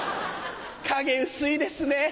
影薄いですね。